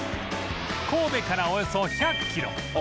神戸からおよそ１００キロ